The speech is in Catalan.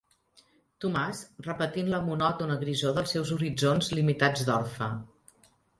Tomàs repetint la monòtona grisor dels seus horitzons limitats d'orfe.